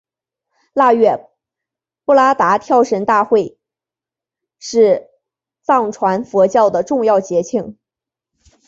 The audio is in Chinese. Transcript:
腊月布拉达跳神大会是藏传佛教的重要节庆。